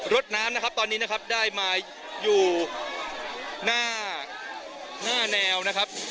รถน้ำนะครับตอนนี้นะครับได้มาอยู่หน้าแนวนะครับ